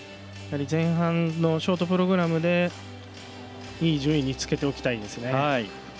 前半のショートプログラムでいい順位につけておきたいですね。